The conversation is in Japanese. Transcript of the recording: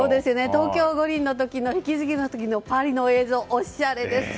東京五輪の引き継ぎ式の時のパリの映像、おしゃれでね。